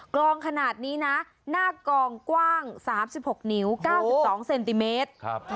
ลองขนาดนี้นะหน้ากองกว้าง๓๖นิ้ว๙๒เซนติเมตร